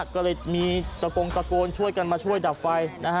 ก็เลยมีตะโกงตะโกนช่วยกันมาช่วยดับไฟ